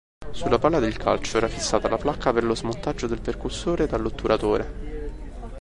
Sulla pala del calcio era fissata la placca per lo smontaggio del percussore dall'otturatore.